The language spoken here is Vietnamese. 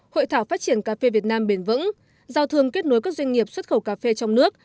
hội thảo phát triển cà phê việt nam bền vững giao thương kết nối các doanh nghiệp xuất khẩu cà phê trong nước